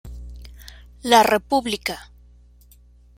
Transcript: La República".